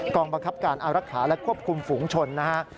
บังคับการอารักษาและควบคุมฝูงชนนะฮะ